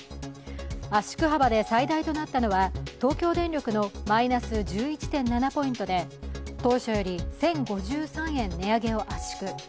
圧縮幅で最大となったのは東京電力のマイナス１１．７ポイントで当初より１０５３円値上げを圧縮。